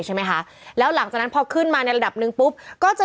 ใช่ไหมคะแล้วหลังจากนั้นพอขึ้นมาในระดับหนึ่งปุ๊บก็จะ